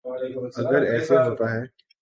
اگر ایسے ہوتا ہے۔